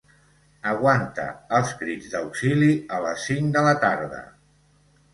Aguanta els crits d'auxili a les cinc de la tarda.